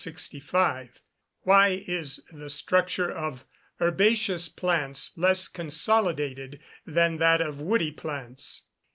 _Why is the structure of herbaceous plants less consolidated than that of woody plants?